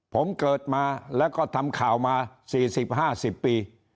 ผมเกิดมาแล้วก็ทำข่าวมา๔๐๕๐ปี